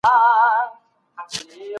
دا کتاب د یوې پخوانۍ لانجې ځواب دی.